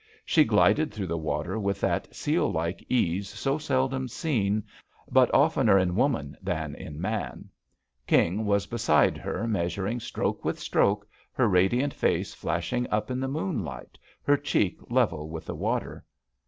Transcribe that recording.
She glided through the water with that seal like ease so seldom seen, but oftener in woman than in man. King was beside her, measuring stroke with stroke, her radiant face flashing up in ^ JUST SWEETHEARTS ^ the moonlight, her cheek level with the water.